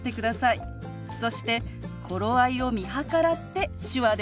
そして頃合いを見計らって手話でお話を始めます。